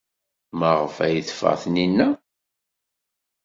Maɣef ay teffeɣ Taninna?